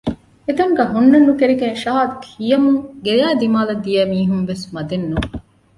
އެތަނުގައި ހުންނަން ނުކެރިގެން ޝަހާދު ކިޔަމުން ގެޔާ ދިމާއަށް ދިޔަ މީހުންވެސް މަދެއް ނޫން